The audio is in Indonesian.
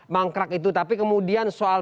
mangkrak itu tapi kemudian soal